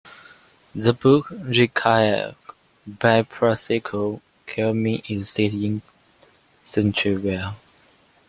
The book "Red Kayak" by Priscilla Cummings is set in Centreville.